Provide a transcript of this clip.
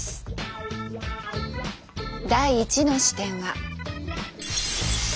第１の視点は。